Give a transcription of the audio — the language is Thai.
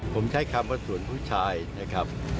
ผมใช้คำว่าสวนผู้ชายนะครับ